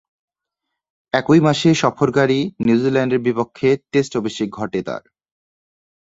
একই মাসে সফরকারী নিউজিল্যান্ডের বিপক্ষে টেস্ট অভিষেক ঘটে তার।